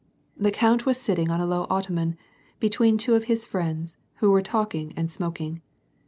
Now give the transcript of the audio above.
The count was sitting on a low ottoman, between two of his friends, who were talking and smoking.